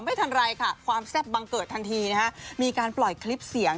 ไม่ทันไรค่ะความแซ่บบังเกิดทันทีนะฮะมีการปล่อยคลิปเสียง